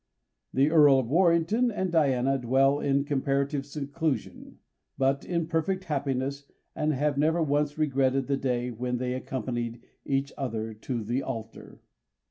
The Earl of Warrington and Diana dwell in comparative seclusion, but in perfect happiness, and have never once regretted the day when they accompanied each other to the altar.